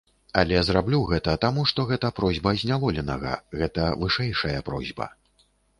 Але зраблю гэта, таму што гэта просьба зняволенага, гэта вышэйшая просьба.